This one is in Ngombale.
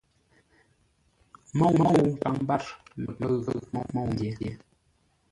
Môu ngou nkaŋ mbâr ləpə̂ʉ môu-məngyě.